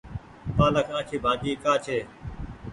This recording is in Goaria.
پآلڪ آڇي ڀآڃي ڪآ ڇي۔